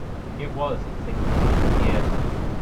It was, it seemed to me, the end.